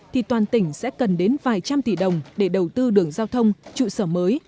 thì toàn tỉnh sẽ cần đến vài trăm tỷ đồng để đầu tư đường giao thông trụ sở mới